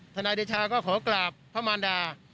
ธนาฬิชาก็ขอกลับพระมารดา